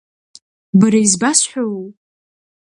Бара избасҳәауоу?